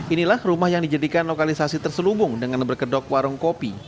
inilah rumah yang dijadikan lokalisasi terselubung dengan berkedok warung kopi